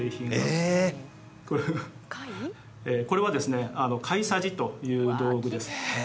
これはですね貝匙という道具です